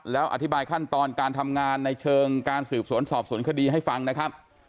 แล้วอธิบายขั้นตอนการทำงานในเชิงการสืบสวนสอบสวนคดีให้ฟังนะครับ